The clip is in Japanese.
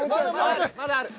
まだある。